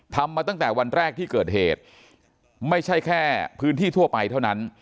มาตั้งแต่วันแรกที่เกิดเหตุไม่ใช่แค่พื้นที่ทั่วไปเท่านั้น